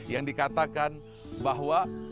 yang dikatakan bahwa